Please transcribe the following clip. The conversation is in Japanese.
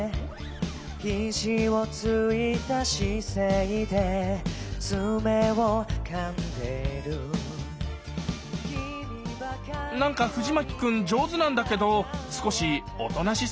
「ひじをついた姿勢で爪をかんでる」なんか藤牧くん上手なんだけど少しおとなしすぎじゃない？